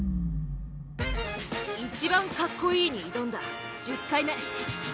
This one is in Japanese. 「一番カッコいい」に挑んだ１０回目。